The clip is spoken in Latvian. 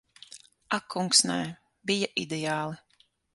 Ak kungs, nē. Bija ideāli.